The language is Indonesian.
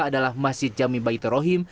adalah masjid jami bayi terohim